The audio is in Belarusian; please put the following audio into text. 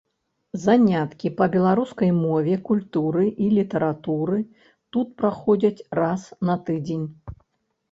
Заняткі па беларускай мове, культуры і літаратуры тут праходзяць раз на тыдзень.